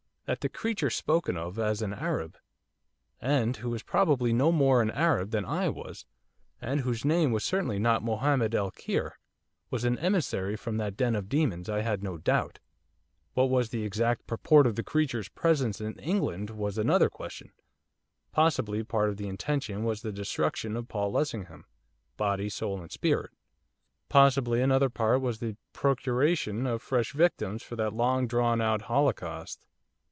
That the creature spoken of as an Arab, and who was probably no more an Arab than I was, and whose name was certainly not Mohamed el Kheir! was an emissary from that den of demons, I had no doubt. What was the exact purport of the creature's presence in England was another question. Possibly part of the intention was the destruction of Paul Lessingham, body, soul and spirit; possibly another part was the procuration of fresh victims for that long drawn out holocaust.